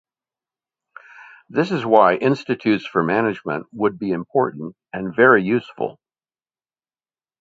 This is why institutes for management would be important and very useful.